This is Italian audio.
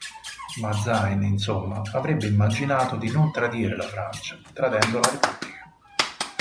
Bazaine, insomma, avrebbe immaginato di non tradire la Francia, tradendo la Repubblica.